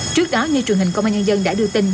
trước đó như truyền hình công an nhân dân đã đưa tin